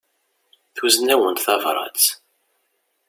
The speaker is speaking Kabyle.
Tuzen-awen-d tabrat.